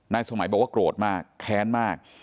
นายสมัยบอกว่ากรวดมากแค้นมาก